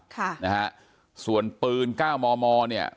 ค่ะนะฮะส่วนปืนเก้ามอมอเนี่ย